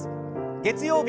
月曜日